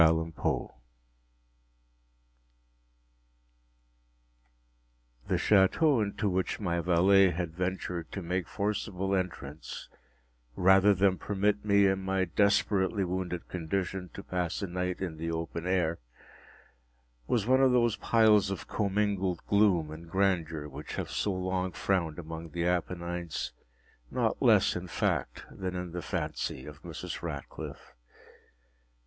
THE OVAL PORTRAIT The ch√¢teau into which my valet had ventured to make forcible entrance, rather than permit me, in my desperately wounded condition, to pass a night in the open air, was one of those piles of commingled gloom and grandeur which have so long frowned among the Appennines, not less in fact than in the fancy of Mrs. Radcliffe.